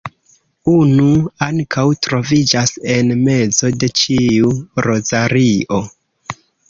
Unu ankaŭ troviĝas en mezo de ĉiu rozario.